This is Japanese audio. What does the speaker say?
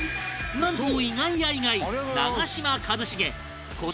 なんと意外や意外、長嶋一茂小銭